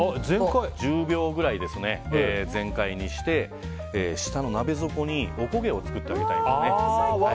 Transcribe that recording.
１０秒くらい全開にして下の鍋底におこげを作ってあげたいんですね。